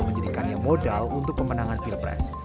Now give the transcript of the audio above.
menjadikan yang modal untuk pemenangan pilpres